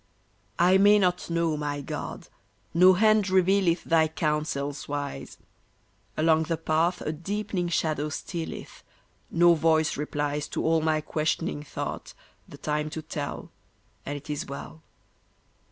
I may not know, my God; no hand revealeth Thy counsels wise; Along the path a deepening shadow stealeth, No voice replies To all my questioning thought, the time to tell, And it is well.